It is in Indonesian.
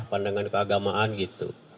pandangan keagamaan gitu